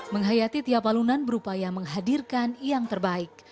menghayati tiap alunan berupaya menghadirkan yang terbaik